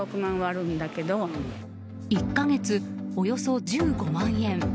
１か月およそ１５万円。